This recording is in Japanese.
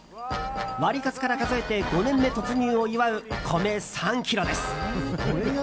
ワリカツから数えて５年目突入を祝う米３ｋｇです。